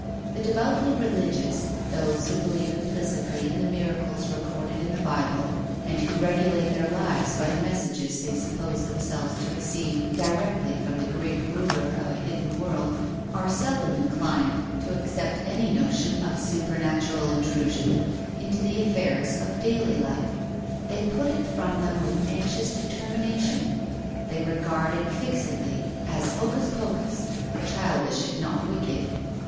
The devoutly religious, those who be lieve implicitly in the miracles recorded in the Bible, and who regulate their lives by the mes sages they suppose themselves to receive directly from the Great Ruler of a hidden World, are sel dom inclined to accept any notion of supernatural intrusion into the affairs of daily life. They put it from them with anxious determination. They regard it fixedly as hocus pocus, childish if not wicked.